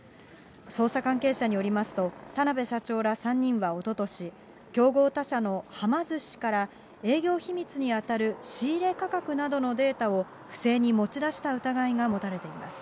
捜査関係者によりますと、田辺社長ら３人はおととし、競合他社のはま寿司から営業秘密に当たる仕入れ価格などのデータを、不正に持ち出した疑いが持たれています。